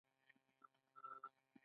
د وضاحت لپاره مقرره جوړیږي.